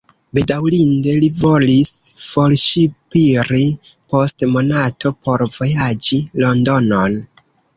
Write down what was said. Bedaŭrinde li volis forŝipiri post monato por vojaĝi Londonon.